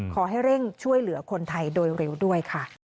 ขอให้เร่งช่วยเหลือคนไทยโดยเร็วด้วยค่ะ